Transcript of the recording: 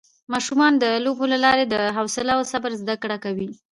ماشومان د لوبو له لارې د حوصله او صبر زده کړه کوي